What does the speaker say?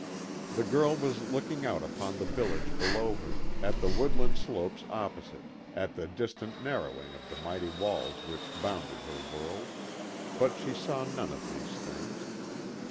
The girl was looking out upon the village below her, at the woodland slopes opposite, at the distant narrowing of the mighty walls which bounded her world, but she saw none of these things.